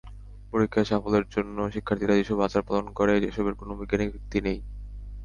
পরীক্ষায় সাফল্যের জন্য শিক্ষার্থীরা যেসব আচার পালন করে, এসবের কোনো বৈজ্ঞানিক ভিত্তি নেই।